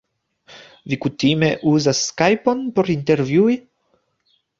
Vi kutime uzas skajpon por intervjui...?